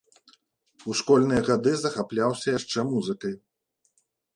У школьныя гады захапляўся яшчэ музыкай.